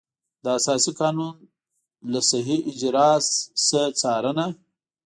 د اساسي قانون له صحیح اجرا نه څارنه.